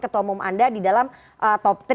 ketua umum anda di dalam top tiga